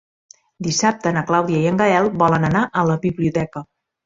Dissabte na Clàudia i en Gaël volen anar a la biblioteca.